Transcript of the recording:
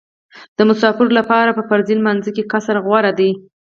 د مسافر لپاره په فرضي لمانځه کې قصر غوره دی